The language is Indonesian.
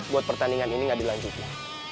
buat pertandingan ini nggak dilanjutin